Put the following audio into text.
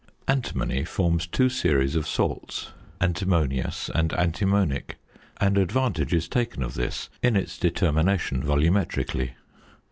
Antimony forms two series of salts, antimonious and antimonic; and advantage is taken of this in its determination volumetrically.